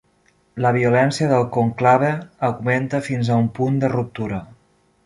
La violència del Conclave augmenta fins a un punt de ruptura.